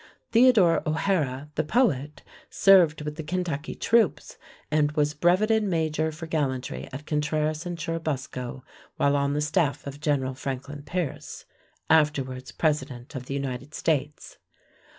Theodore O'Hara, the poet, served with the Kentucky troops and was brevetted major for gallantry at Contreras and Churubusco, while on the staff of General Franklin Pierce (afterwards President of the United States).